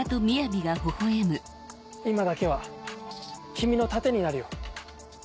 今だけは君の盾になるよ。